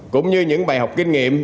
cũng như những bài học kinh nghiệm